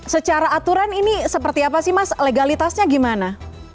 secara aturan ini seperti apa sih mas legalitasnya gimana